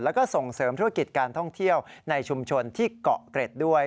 แล้วก็ส่งเสริมธุรกิจการท่องเที่ยวในชุมชนที่เกาะเกร็ดด้วย